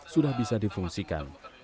sudah bisa difungsikan